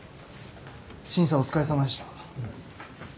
審査お疲れさまでした。